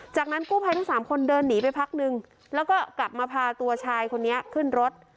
จากนั้นกู้ภัยทั้งสามคนเดินหนีไปพักนึงแล้วก็กลับมาพาตัวชายคนนี้ขึ้นรถ